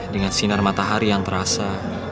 dengan sinar matahari yang terasa